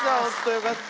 よかった。